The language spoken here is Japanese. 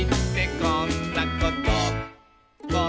「こんなこと」